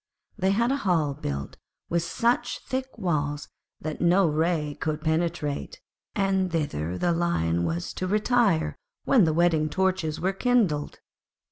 They had a hall built with such thick walls that no ray could penetrate, and thither the Lion was to retire when the wedding torches were kindled.